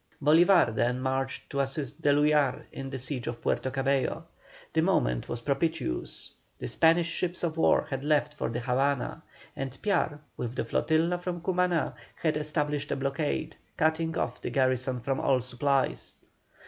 Bolívar then marched to assist D'Eluyar in the siege of Puerto Cabello. The moment was propitious; the Spanish ships of war had left for the Havana, and Piar, with the flotilla from Cumaná, had established a blockade, cutting off the garrison from all supplies.